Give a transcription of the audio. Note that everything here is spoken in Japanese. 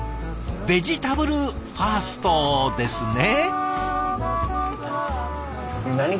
ベジタブルファーストですね。